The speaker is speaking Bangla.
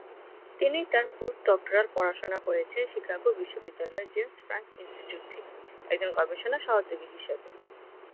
তিনি তার পোস্ট-ডক্টরাল পড়াশোনা করেছেন শিকাগো বিশ্ববিদ্যালয়ের জেমস ফ্রাঙ্ক ইনস্টিটিউট থেকে, একজন গবেষণা সহযোগী হিসাবে।